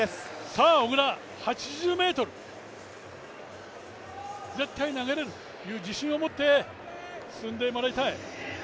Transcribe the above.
さあ小椋、８０ｍ、絶対投げれるという自信を持って進んでもらいたい。